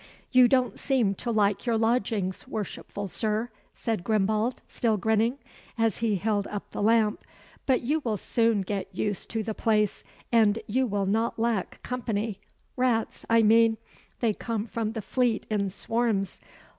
"You don't seem to like your lodgings, worshipful Sir," said Grimbald, still grinning, as he held up the lamp; "but you will soon get used to the place, and you will not lack company rats, I mean: they come from the Fleet in swarms.